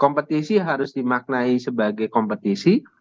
kompetisi harus dimaknai sebagai kompetisi